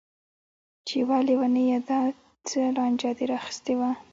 چې وه ليونيه دا څه لانجه دې راخيستې ده.